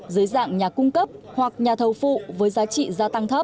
dưới dạng nhà cung cấp hoặc nhà thầu phụ với giá trị gia tăng thấp